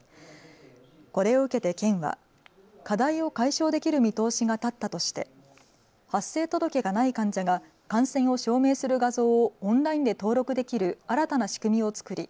これを受けて県は課題を解消できる見通しが立ったとして発生届がない患者が感染を証明する画像をオンラインで登録できる新たな仕組みを作り